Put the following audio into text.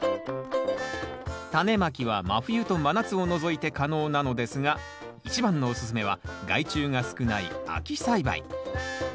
タネまきは真冬と真夏を除いて可能なのですが一番のおすすめは害虫が少ない秋栽培。